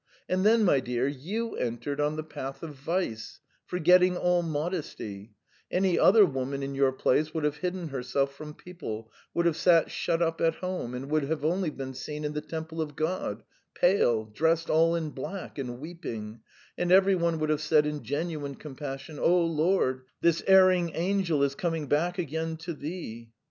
And then, my dear, you entered on the path of vice, forgetting all modesty; any other woman in your place would have hidden herself from people, would have sat shut up at home, and would only have been seen in the temple of God, pale, dressed all in black and weeping, and every one would have said in genuine compassion: 'O Lord, this erring angel is coming back again to Thee